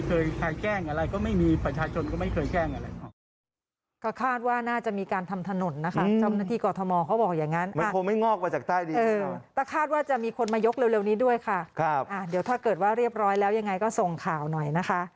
ก็ไม่มีเคยใครแกล้งอะไรก็ไม่มีประชาชนก็ไม่เคยแกล้งอะไร